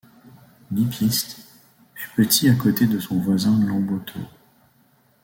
L'Ipizte est petit à côté de son voisin l'Anboto.